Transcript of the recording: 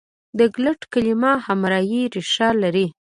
د ګلټ کلیمه اهمري ریښه لري.